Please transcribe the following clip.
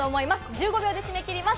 １５秒で締め切ります。